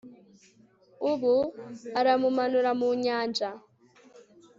Ubu aramumanura mu nyanja